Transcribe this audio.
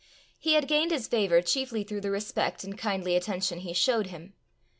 He had gained his favour chiefly through the respect and kindly attention he showed him.